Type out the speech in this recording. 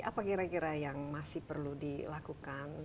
apa kira kira yang masih perlu dilakukan